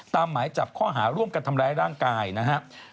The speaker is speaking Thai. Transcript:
หมายจับข้อหาร่วมกันทำร้ายร่างกายนะครับ